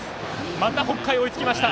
また北海、追いつきました。